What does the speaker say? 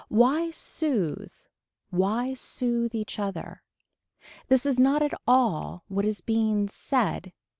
Why soothe why soothe each other. This is not at all what is being said.